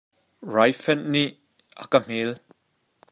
Raifanh nih a ka hmel.